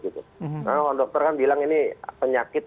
karena dokter kan bilang ini penyakit